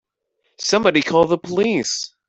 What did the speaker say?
Somebody call the police!